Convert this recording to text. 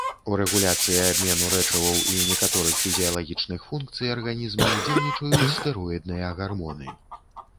У рэгуляцыі абмену рэчываў і некаторых фізіялагічных функцый арганізма ўдзельнічаюць стэроідныя гармоны.